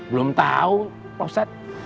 belum tau ustadz